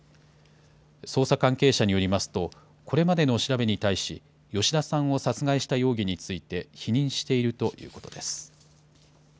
捜査関係者によりますと、これまでの調べに対し、吉田さんを殺害した容疑について、否認しているということです。